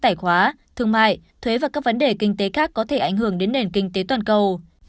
tài khoá thương mại thuế và các vấn đề kinh tế khác có thể ảnh hưởng đến nền kinh tế toàn cầu